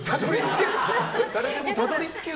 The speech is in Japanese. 誰でもだどりつける。